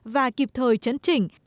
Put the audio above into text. và kịp thời chấn chỉnh